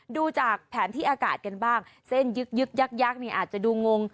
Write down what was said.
ดูจากแผนที่อากาศกันบ้างเส้นยึกยักษ์อาจจะดูงง